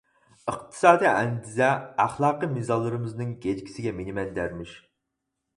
ئىقتىسادىي ئەندىزە ئەخلاقىي مىزانلىرىمىزنىڭ گەجگىسىگە مىنىمەن دەرمىش.